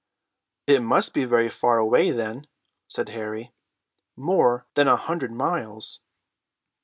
"It must be very far away, then," said Harry, "more than a hundred miles."